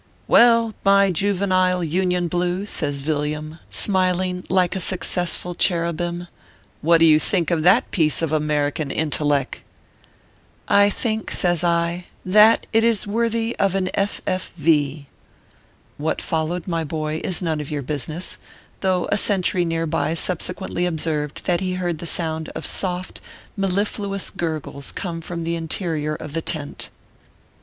"Well, iny juvenile Union blue/ says Villiam, smiling like a successful cherubim, " what do you think of that piece of American intelleck ?"" I think/ says I, " that it is worthy of an F. F. V." What followed, my boy, is none of your business, though a sentry near by subsequently observed that he heard the sound of soft, mellifluous gurgles come from the interior of the tent.